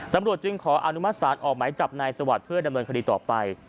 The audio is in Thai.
ตำรวจจึงขออนุมัติศาลออกหมายจับนายสวัสดิ์เพื่อดำเนินคดีต่อไป